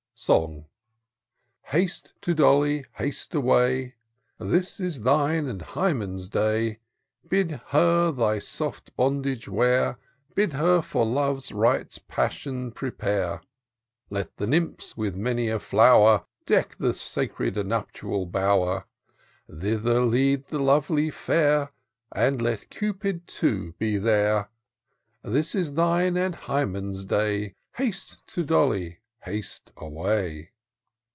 Song. " Haste to Dolly ! haste away ! This is thine and Hymen's day ! Bid her thy soft bondage wear ; Bid her for Love's rites prepare. Let the nymphs, with many a flower, Deck the sacred nuptial bower ; Thither lead the lovely fair. And let Cupid, too, be there. This is thine and Hymen's day ! Haste to Dolly ! haste away